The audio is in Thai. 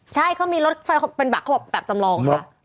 ใช่เขามีรถไฟเป็นบัตรเขาบอกแบบจำลองค่ะ